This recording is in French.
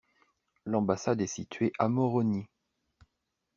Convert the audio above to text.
L'ambassade est située à Moroni.